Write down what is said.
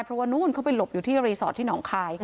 เพราะว่านู้นเขาไปหลบอยู่ที่รีสอร์ทที่หนองคาย